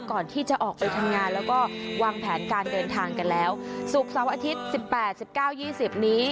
ก่อนที่จะออกไปทำงานแล้วก็วางแผนการเดินทางกันแล้วศุกร์เสาร์อาทิตย์สิบแปดสิบเก้ายี่สิบนี้